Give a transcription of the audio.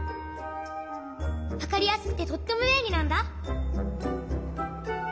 わかりやすくてとってもべんりなんだ。